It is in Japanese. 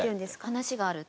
「話がある」って？